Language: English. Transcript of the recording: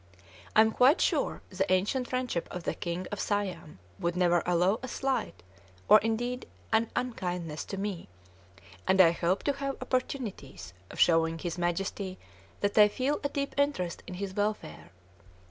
I am quite sure the ancient friendship of the King of Siam would never allow a slight, or indeed an unkindness, to me; and I hope to have opportunities of showing his Majesty that I feel a deep interest in his welfare.